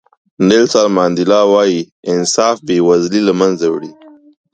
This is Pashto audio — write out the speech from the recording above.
نیلسن منډیلا وایي انصاف بې وزلي له منځه وړي.